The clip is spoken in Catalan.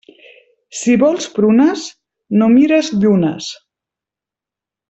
Si vols prunes, no mires llunes.